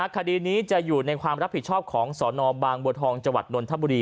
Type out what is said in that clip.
คดีนี้จะอยู่ในความรับผิดชอบของสนบางบัวทองจังหวัดนนทบุรี